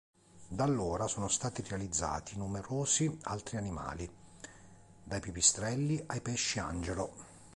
Da allora sono stati realizzati numerosi altri animali, dai pipistrelli ai pesci angelo.